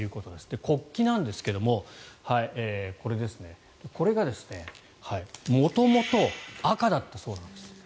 国旗なんですが、これが元々、赤だったそうなんです。